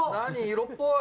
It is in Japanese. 色っぽい？